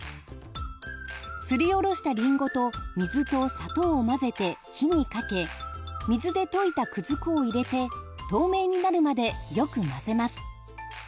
すりおろしたりんごと水と砂糖を混ぜて火にかけ水で溶いたくず粉を入れて透明になるまでよく混ぜます。